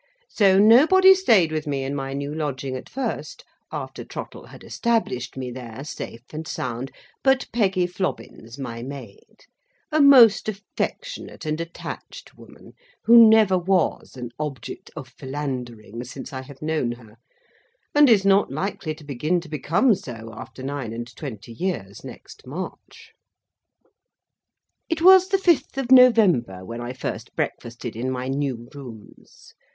So, nobody stayed with me in my new lodging at first after Trottle had established me there safe and sound, but Peggy Flobbins, my maid; a most affectionate and attached woman, who never was an object of Philandering since I have known her, and is not likely to begin to become so after nine and twenty years next March. It was the fifth of November when I first breakfasted in my new rooms.